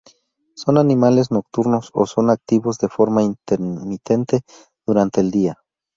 Son animales nocturnos o son activos de forma intermitente durante el día.